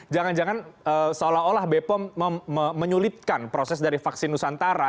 jangan jangan seolah olah bepom menyulitkan proses dari vaksin nusantara